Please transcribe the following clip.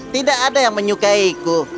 tidak ada yang menyukaiku